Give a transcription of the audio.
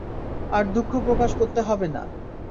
আর দুঃখ প্রকাশ করতে হবে না।